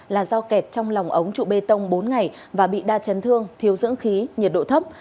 là do kẹt trong lòng ống trụ bê tông bốn ngày và bị đa chấn thương thiếu dưỡng khí nhiệt độ thấp